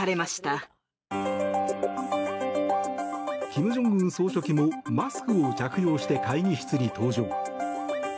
金正恩総書記もマスクを着用して会議室に登場。